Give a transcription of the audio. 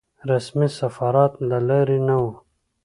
رسمي سفارت له لارې نه.